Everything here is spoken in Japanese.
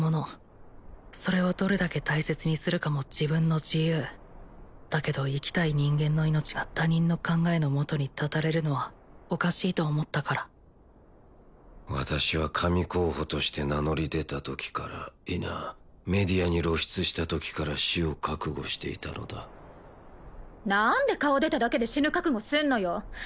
それをどれだけ大切にするかも自分の自由だけど生きたい人間の命が他人の考えのもとに絶たれるのはおかしいと思ったから私は神候補として名乗り出たときから否メディアに露出したときから死を覚悟していたのだ何で顔出ただけで死ぬ覚悟すんのよ